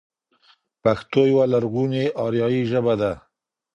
پښتو يوه لرغونې آريايي ژبه ده.